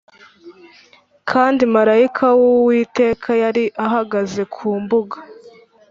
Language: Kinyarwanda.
Kandi marayika w Uwiteka yari ahagaze ku mbuga